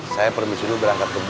saya permisi lu berangkat kerja